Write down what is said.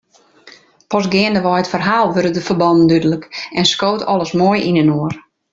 Pas geandewei it ferhaal wurde de ferbannen dúdlik en skoot alles moai yninoar.